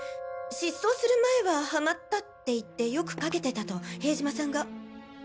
失踪する前はハマったって言ってよくかけてたと塀島さんが。